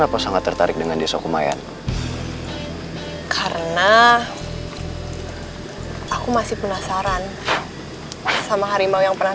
aku sangat tertarik dengan desa kumayan karena aku masih penasaran sama harimau yang pernah